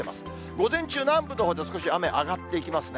午前中南部のほうでは少し雨上がっていきますね。